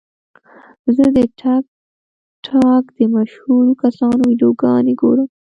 زه د ټک ټاک د مشهورو کسانو ویډیوګانې ګورم.